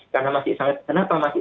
karena masih sangat kenapa masih